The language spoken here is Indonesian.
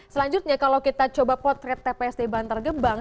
selanjutnya kalau kita coba potret tpst bantar gebang